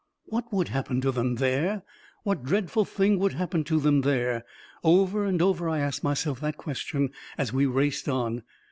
What would happen to him there ? What dread ful thing would happen to him there? Over and over I asked myself that question, as we raced on.